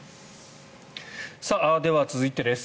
では、続いてです。